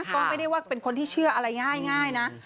ก็ไม่ได้ว่าเป็นคนที่เชื่ออะไรง่ายนะ